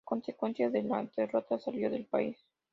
A consecuencia de la derrota, salió del país.